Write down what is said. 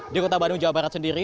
di kota bandung jawa barat sendiri